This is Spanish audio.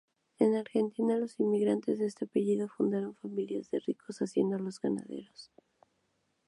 En Argentina los inmigrantes de este apellido fundaron familias de ricos hacendados ganaderos.